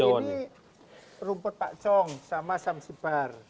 ini rumput pakcong sama samsibar